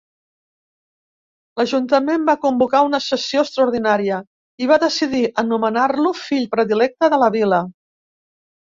L'Ajuntament va convocar una sessió extraordinària i va decidir anomenar-lo fill predilecte de la vila.